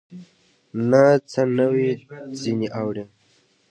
نه څه نوي ځینې اورې